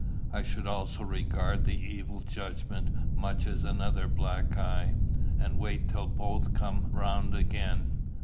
I should also regard the evil judgment much as another black eye, and wait till they both came round again.